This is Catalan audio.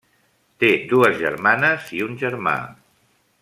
Té dues germanes i un germà.